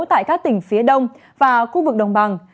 tại các tỉnh phía đông và khu vực đồng bằng